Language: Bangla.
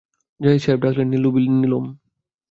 জাহিদ সাহেব ডাকলেন, নীলু, নীলুম।